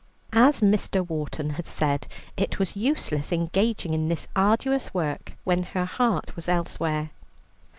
As Mr. Wharton had said, it was useless engaging in this arduous work when her heart was elsewhere.